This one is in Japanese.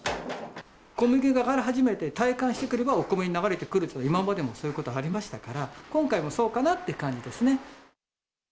小麦が上がり始めて、体感してくれば、お米に流れてくると、今までもそういうことありましたから、今回もそうかなって感じですね。